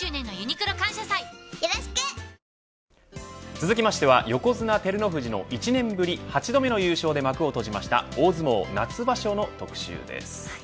続きましては横綱照ノ富士の１年ぶり８度目の優勝で幕を閉じました大相撲夏場所の特集です。